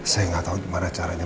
saya gak tau gimana caranya